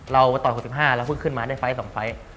เราต่อย๑๖๑๕แล้วช่วงเมียได้สองร้อย